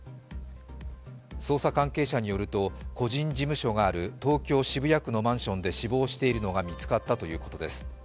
捜査関係者によると個人事務所がある、東京・渋谷区のマンションで死亡しているのが見つかったということです。